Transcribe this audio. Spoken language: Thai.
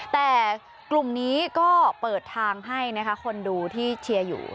แต่กลุ่มนี้ก็เปิดทางให้นะคะคนดูที่เชียร์อยู่